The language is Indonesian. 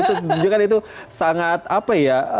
itu juga kan sangat apa ya